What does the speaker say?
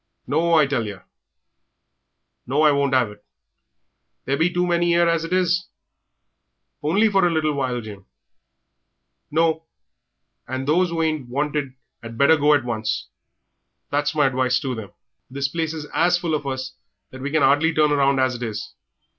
"No, I tell yer. No, I won't 'ave it! There be too many 'ere as it is." "Only a little while, Jim." "No. And those who ain't wanted 'ad better go at once that's my advice to them. The place is as full of us that we can 'ardly turn round as it is.